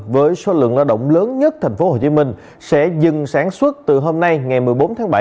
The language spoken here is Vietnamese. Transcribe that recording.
với số lượng lao động lớn nhất tp hcm sẽ dừng sản xuất từ hôm nay ngày một mươi bốn tháng bảy